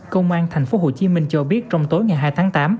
công an tp hcm cho biết trong tối ngày hai tháng tám